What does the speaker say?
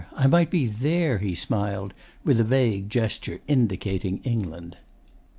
I might be THERE,' he smiled, with a vague gesture indicating England.